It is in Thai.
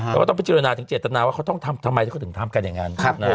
แต่ว่าต้องไปจิรินาถึงเจตนาว่าเขาต้องทำทำไมเขาถึงทำกันอย่างนั้น